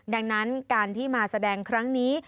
ดังนั้นการที่มาแสดงครั้งนี้